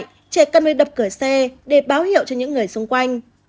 trẻ cần phải đập cửa xe để báo hiệu cho những người xung quanh